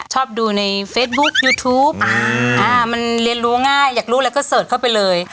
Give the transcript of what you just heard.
ชอบดูในเฟซบุ๊คยูทูปมันเรียนรู้ง่ายอยากรู้อะไรก็เสิร์ชเข้าไปเลย